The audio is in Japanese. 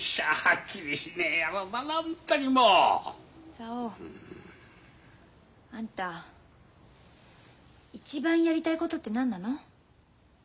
久男あんた一番やりたいことって何なの？